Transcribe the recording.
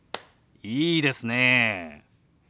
いいですねえ。